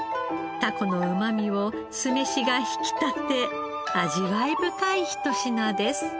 タコのうまみを酢飯が引き立て味わい深いひと品です。